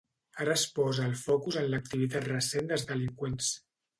Ara es posa el focus en l'activitat recent dels delinqüents